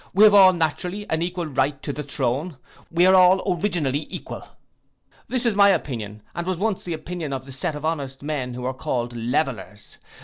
We have all naturally an equal right to the throne: we are all originally equal. This is my opinion, and was once the opinion of a set of honest men who were called Levellers.